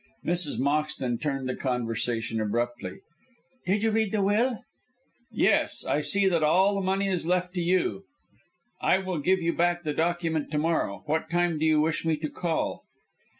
Mrs. Moxton turned the conversation abruptly. "Did you read the will?" "Yes. I see that all the money is left to you. I will give you back the document to morrow. What time do you wish me to call?"